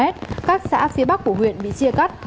các xã phía bắc của huyện bị chia cắt